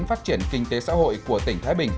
phát triển kinh tế xã hội của tỉnh thái bình